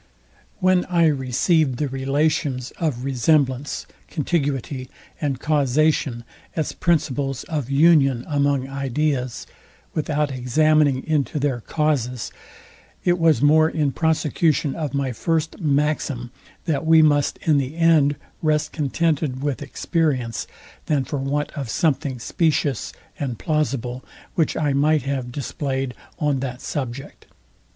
When I received the relations of resemblance, contiguity and causation, as principles of union among ideas, without examining into their causes, it was more in prosecution of my first maxim, that we must in the end rest contented with experience, than for want of something specious and plausible, which I might have displayed on that subject.